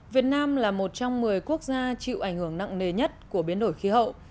việt nam là một trong một mươi quốc gia chịu ảnh hưởng nặng nề nhất của biến đổi khí hậu